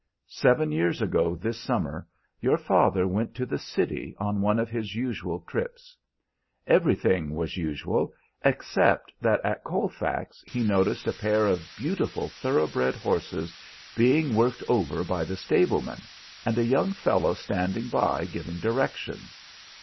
"Seven years ago this summer your father went to the city on one of his usual trips. Everything was usual, except that at Colfax he noticed a pair of beautiful thoroughbred horses being worked over by the stablemen, and a young fellow standing by giving directions.